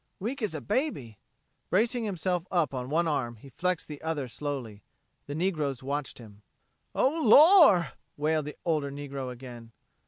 Weak as a baby!" Bracing himself on one arm, he flexed the other slowly. The negroes watched him. "Oh, Lor'!" wailed the older negro again.